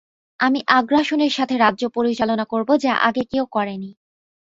আমি আগ্রাসনের সাথে রাজ্য পরিচালনা করব যা আগে কেউ করেনি।